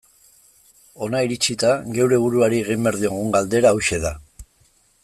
Hona iritsita, geure buruari egin behar diogun galdera hauxe da.